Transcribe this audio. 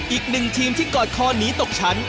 อีกหนึ่งทีมที่กอดคอหนีตกชั้น